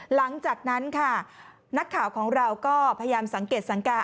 หลังจากนั้นค่ะนักข่าวของเราก็พยายามสังเกตสังการ